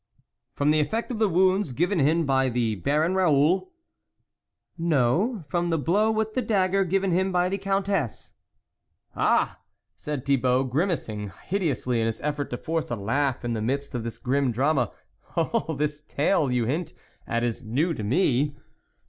" From the effect of the wounds given him by the Baron Raoul ?"" No, from the blow with the dagger given him by the Countess." " Ah !" said Thibault, grimacing hide ously, in his effort to force a laugh in the midst of this grim drama, "all this tale you hint at is new to me."